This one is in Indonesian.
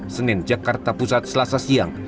senin jakarta pusat selasa siang